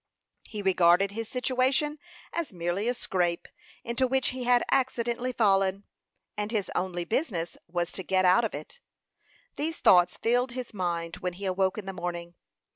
He regarded his situation as merely a "scrape" into which he had accidentally fallen, and his only business was to get out of it. These thoughts filled his mind when he awoke in the morning.